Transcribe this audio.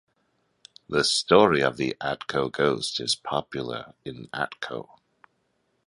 The story of the Atco Ghost is popular in Atco.